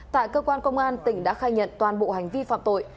tại cơ quan công an tỉnh đã khai nhận toàn bộ hành vi phạm tội